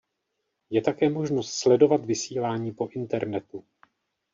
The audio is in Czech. Je také možnost sledovat vysílání po internetu.